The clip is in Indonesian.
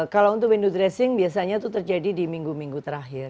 kalau untuk window dressing biasanya itu terjadi di minggu minggu terakhir